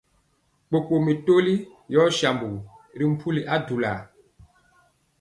Kpokpo mi toli yɔɔ sambugu ri mpuli adulaa.